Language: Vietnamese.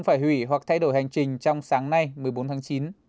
phải hủy hoặc thay đổi hành trình trong sáng nay một mươi bốn tháng chín